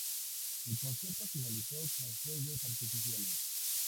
El concierto finalizó con fuegos artificiales.